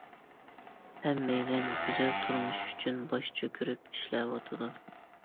ھەممەيلەن گۈزەل تۇرمۇش ئۈچۈن باش چۆكۈرۈپ ئىشلەۋاتىدۇ.